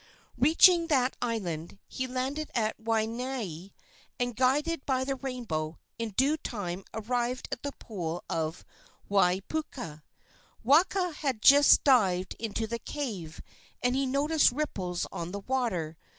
Reaching that island, he landed at Waianae, and, guided by the rainbow, in due time arrived at the pool of Waiapuka. Waka had just dived into the cave, and he noticed ripples on the water.